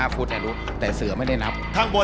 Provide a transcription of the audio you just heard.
๕ฟุตไหมลูบแต่เสือไม่ได้นับ